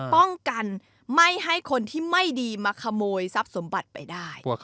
ป้องกันไม่ให้คนที่ไม่ดีมาขโมยทรัพย์สมบัติไปได้